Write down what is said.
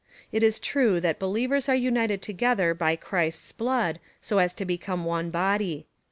It is true, that believers are united together by Christ's blood, so as to become one body.